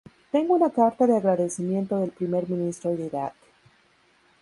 Tengo una carta de agradecimiento del primer ministro de Irak.